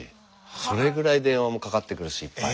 それぐらい電話もかかってくるしいっぱい。